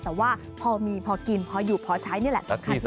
แต่ว่าพอมีพอกินพออยู่พอใช้นี่แหละสำคัญมาก